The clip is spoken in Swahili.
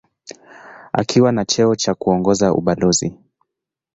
Akiwa na cheo cha kuongoza ubalozi.